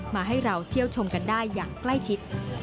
มาให้เราเที่ยวชมกันอย่างใกล้จิต